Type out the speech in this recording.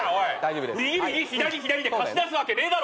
右・右左・左で貸し出すわけねえだろうがよ。